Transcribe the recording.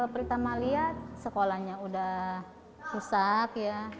pertama lihat sekolahnya sudah rusak